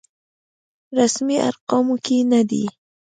رسمي ارقامو کې نه دی.